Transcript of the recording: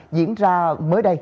diễn ra mới đây